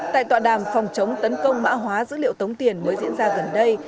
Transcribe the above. tại tọa đàm phòng chống tấn công mã hóa dữ liệu tống tiền mới diễn ra gần đây